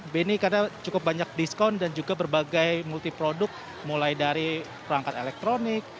benny karena cukup banyak diskon dan juga berbagai multi produk mulai dari perangkat elektronik